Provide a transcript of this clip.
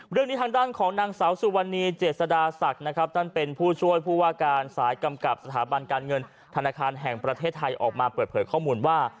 เรื่องนี้ทางด้านของนางสาวสุวรรณีเจษดาศักดิ์นะครับท่านเป็นผู้ช่วยผู้ว่าการสายกำกับสถาบันการเงินธนาคารแห่งประเทศไทยออกมาเปิดเผยข้อมูลว่า